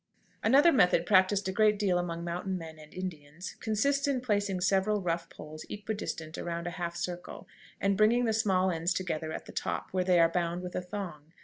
] Another method practiced a great deal among mountain men and Indians consists in placing several rough poles equidistant around in a half circle, and bringing the small ends together at the top, where they are bound with a thong.